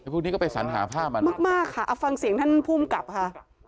พวกนี้ก็ไปสัญหาภาพมันมากค่ะเอาฟังเสียงท่านภูมิกับค่ะ